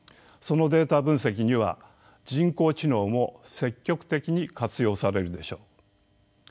そのデータ分析には人工知能も積極的に活用されるでしょう。